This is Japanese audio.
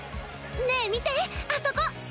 ねえ見てあそこ！